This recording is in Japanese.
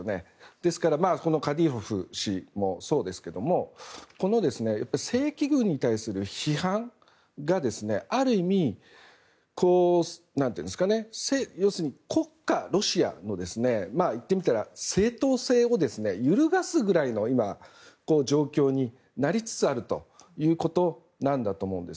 ですからカディロフ氏もそうですけどこの正規軍に対する批判がある意味、国家ロシアの言ってみたら正当性を揺るがすくらいの状況になりつつあるということなんだと思うんです。